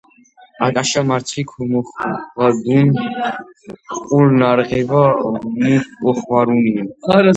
აკაშა მარცხი ქომოხვადუნ უკულ ნარღება მუს ოხვარუნია.